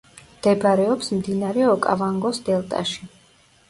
მდებარეობს მდინარე ოკავანგოს დელტაში.